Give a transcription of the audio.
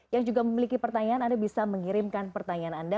yang juga memiliki pertanyaan anda bisa mengirimkan pertanyaan anda